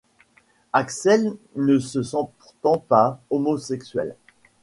Axel ne se sent pourtant pas homosexuel.